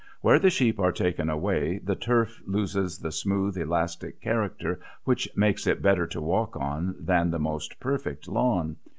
Where the sheep are taken away the turf loses the smooth, elastic character which makes it better to walk on than the most perfect lawn.